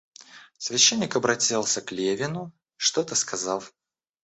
Священник обратился к Левину, что-то сказав.